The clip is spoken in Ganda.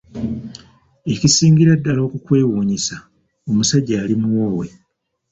Ekisingira ddala okukwewuunyisa omusajja yali muwoowe.